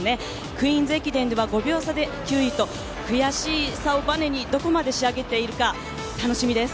クイーンズ駅伝では５秒差で９位と、悔しさをバネにどこまで仕上げているか楽しみです。